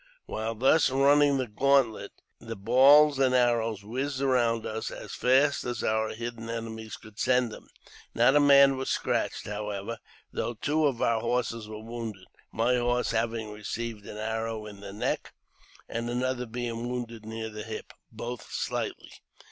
While thus running the gauntlet, the balls and arrows whizzed around us as fast as our hidden enemies could send them. Not a man was scratched, however, though two of our horses were wounded, my horse having received an arrow in the neck, and another being wounded near the hip, both slightly.